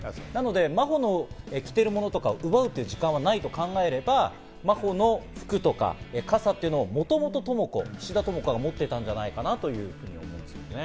真帆の着ているものを奪う時間はないと考えれば、真帆の服とか傘っていうのを、もともと菱田朋子が持っていたんじゃないかなと思うんですね。